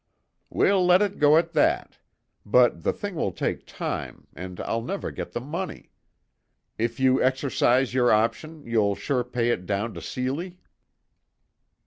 "We'll let it go at that; but the thing will take time, and I'll never get the money. If you exercise your option, you'll sure pay it down to Seely?"